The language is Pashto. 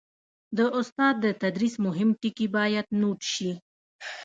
د استاد د تدریس مهم ټکي باید نوټ شي.